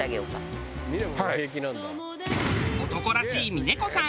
男らしい峰子さん。